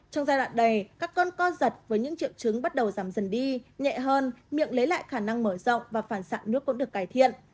trong giai đoạn đầy các con co giật với những triệu chứng bắt đầu giảm dần đi nhẹ hơn miệng lấy lại khả năng mở rộng và phản xạ nước cũng được cải thiện